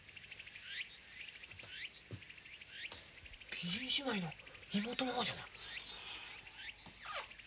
美人姉妹の妹の方じゃない？